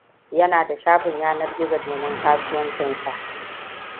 Yana da shafin yanar gizo domin kasuwancinsa.